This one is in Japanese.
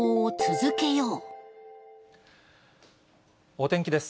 お天気です。